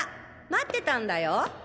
待ってたんだよ。